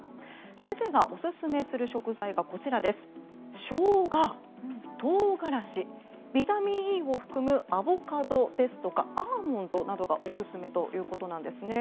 先生がオススメする食材はショウガ、唐辛子ビタミンＥを含むアボカドやアーモンドなどがオススメということなんですね。